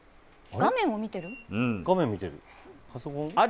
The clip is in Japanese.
画面を見てる？